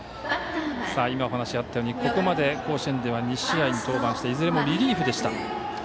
今、お話しあったようにここまで甲子園では２試合に登板していずれもリリーフでした。